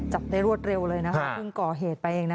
จับได้รวดเร็วเลยนะคะเพิ่งก่อเหตุไปเองนะ